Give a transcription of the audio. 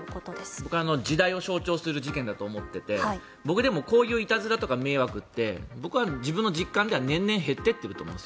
僕、時代を象徴する事件だと思っていて僕、でもこういういたずらとか迷惑って僕は自分の実感では、年々減っていっていると思うんです。